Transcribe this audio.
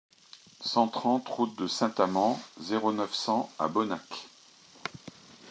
cent trente route de Saint-Amans, zéro neuf, cent à Bonnac